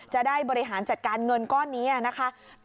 จะได้บริหารจัดการเงินก้อนนี้นะคะ